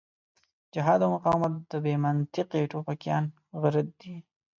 جهاد او مقاومت د بې منطقې ټوپکيان غرت دی.